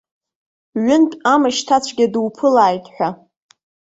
Ҩынтә амышьҭацәгьа дуԥылааит ҳәа.